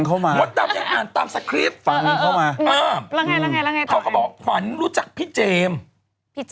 เขาก็บอกขวัญจากพี่เจมส์